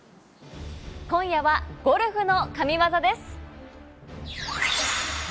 今夜はゴルフの神技です。